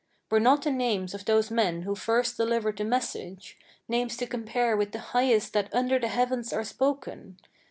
"Were not the names of those men who first delivered the message, Names to compare with the highest that under the heavens are spoken?